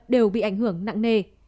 đều bị ảnh hưởng nặng nề